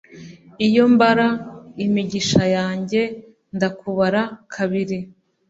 Iyo mbara imigisha yanjye, ndakubara kabiri.